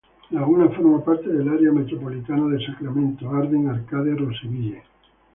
Laguna forma parte del área metropolitana de Sacramento–Arden-Arcade–Roseville.